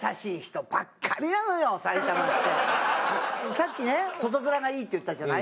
さっきね外面がいいって言ったじゃない？